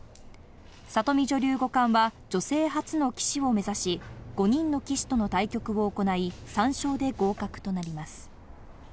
里見女流五冠は女性初の棋士を目指し、５人の棋士との対局を行い、３勝で合格となります。